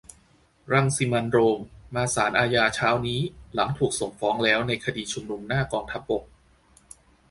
รังสิมันต์ โรม มาศาลอาญาเช้านี้หลังถูกส่งฟ้องแล้วในคดีชุมนุมหน้ากองทัพบก